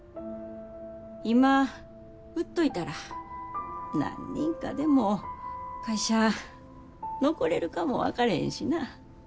今売っといたら何人かでも会社残れるかも分かれへんしな。